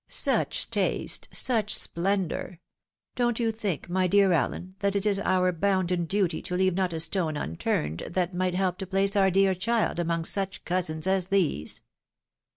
Such taste !— such splendour ! Don't you think, my dear Allen, that it is our bounden duty to leave not a stone unturned, that might help to place our dear child among such cousins as these